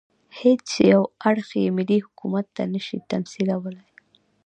هېڅ یو اړخ یې ملي حکومت نه شي تمثیلولای.